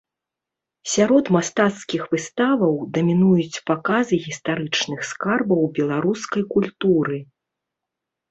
Сярод мастацкіх выставаў дамінуюць паказы гістарычных скарбаў беларускай культуры.